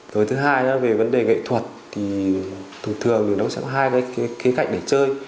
rồi thứ hai nữa về vấn đề nghệ thuật thì thường thường thì nó sẽ có hai cái kế cạnh để chơi